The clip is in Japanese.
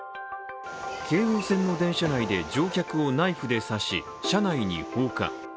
京王線の電車内で乗客をナイフで刺し車内に放火。